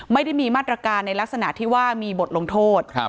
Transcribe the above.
ไม่ได้มีมาตรการในลักษณะที่ว่ามีบทลงโทษ